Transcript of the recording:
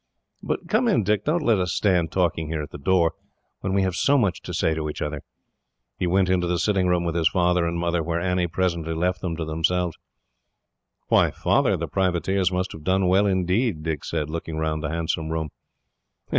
"But come in, Dick. Don't let us stand talking here at the door, when we have so much to say to each other." He went into the sitting room with his father and mother, where Annie presently left them to themselves. "Why, Father, the privateers must have done well, indeed!" Dick said, looking round the handsome room.